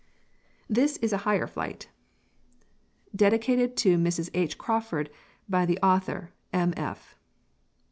This is a higher flight: DEDICATED TO MRS. H. CRAWFORD BY THE AUTHOR, M. F.